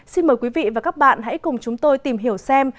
xin mời quý vị và các bạn hãy cùng chúng tôi tìm hiểu xem